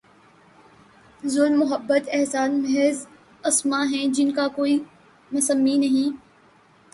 ظلم، محبت، احساس، محض اسما ہیں جن کا کوئی مسمی نہیں؟